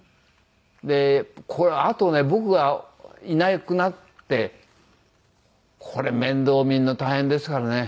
でこれあとね僕がいなくなってこれ面倒を見るの大変ですからね。